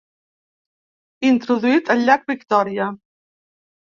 Introduït al llac Victòria.